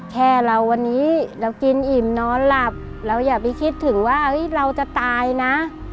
แค่เราวันนี้เรากินอิ่มนอนหลับเราอย่าไปคิดถึงว่าเราจะตายนะ